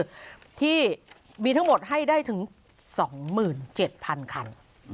ที่มีทั้งหมดให้ได้ถึง๒๗๐๐คัน